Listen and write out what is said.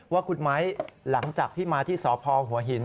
ว่าคุณไม้หลังจากที่มาที่สพหัวหิน